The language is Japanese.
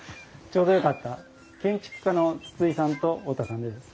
ちょうどよかった建築家の筒井さんと太田さんです。